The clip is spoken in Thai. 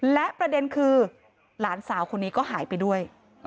และประเด็นคือหลานสาวคนนี้ก็หายไปด้วย